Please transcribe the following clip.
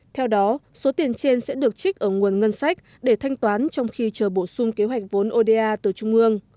theo đó số tiền trên sẽ được trích ở nguồn ngân sách để thanh toán trong khi chờ bổ sung kế hoạch vốn oda từ trung ương